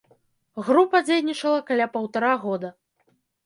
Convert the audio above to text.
Група дзейнічала каля паўтара года.